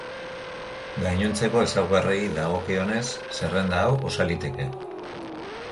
Gainontzeko ezaugarriei dagokionez zerrenda hau osa liteke.